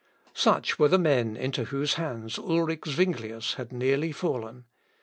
Such were the men into whose hands Ulric Zuinglius had nearly fallen.